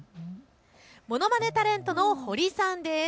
ものまねタレントのホリさんです。